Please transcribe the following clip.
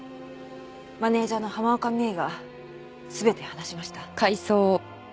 マネジャーの浜岡実枝が全て話しました。